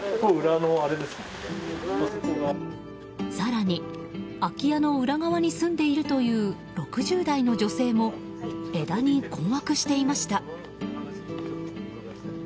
更に、空き家の裏側に住んでいるという６０代の女性も枝に困惑していました。